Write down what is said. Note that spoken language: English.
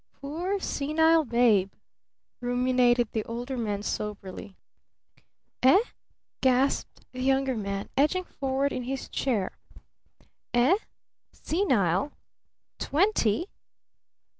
"Poor senile babe," ruminated the Older Man soberly. "Eh?" gasped the Younger Man, edging forward in his chair. "Eh? 'Senile'? Twenty?"